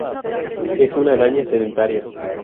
Es una araña sedentaria.